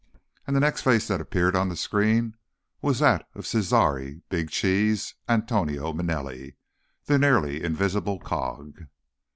And the next face that appeared on the screen was that of Cesare "Big Cheese" Antonio Manelli, the nearly invisible cog.